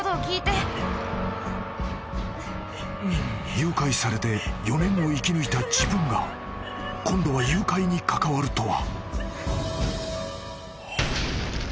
［誘拐されて４年を生き抜いた自分が今度は誘拐に関わるとは］